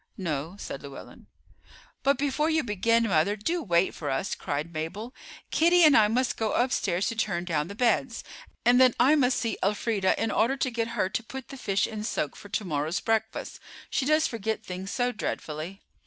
"No," said Llewellyn. "But before you begin, mother, do wait for us," cried Mabel. "Kitty and I must go upstairs to turn down the beds, and then I must see Elfreda in order to get her to put the fish in soak for to morrow's breakfast. She does forget things so dreadfully."